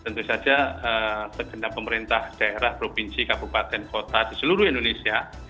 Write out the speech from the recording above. tentu saja segenap pemerintah daerah provinsi kabupaten kota di seluruh indonesia